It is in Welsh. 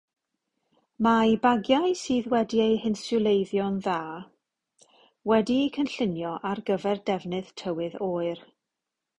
Mae bagiau sydd wedi'u hinswleiddio'n dda wedi'u cynllunio ar gyfer defnydd tywydd oer.